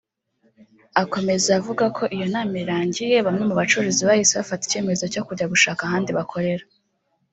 Akomeza avuga ko iyo nama irangiye bamwe mu bacuruzi bahise bafata icyemezo cyo kujya gushaka ahandi bakorera